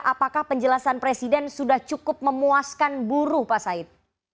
apakah penjelasan presiden sudah cukup memuaskan buruh pak said